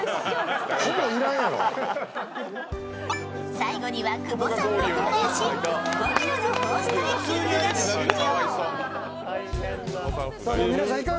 最後には久保さんも合流し、５ｋｍのホーストレッキングが終了。